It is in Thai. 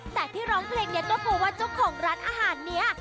แต่ที่ร้องเพลงเนี่ยก็พูดว่าเจ้าของร้านอาหารเนี่ย